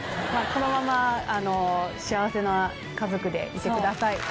このまま幸せな家族でいてください。